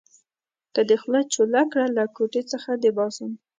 که دې خوله چوله کړه؛ له کوټې څخه دې باسم.